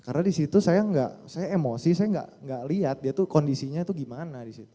karena disitu saya emosi saya gak lihat dia tuh kondisinya gimana disitu